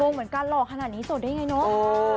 งเหมือนกันหล่อขนาดนี้โสดได้ไงเนาะ